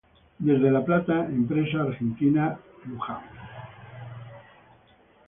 Desde La Plata, Empresa Argentina a Luján.